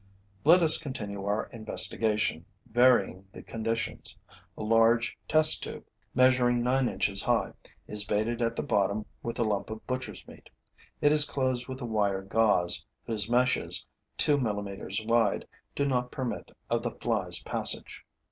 Let us continue our investigation, varying the conditions. A large test tube, measuring nine inches high, is baited at the bottom with a lump of butcher's meat. It is closed with wire gauze, whose meshes, two millimeters wide, do not permit of the fly's passage.